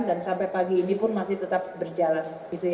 dan sampai pagi ini pun masih tetap berjalan